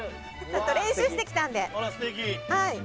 ちょっと練習してきたんで！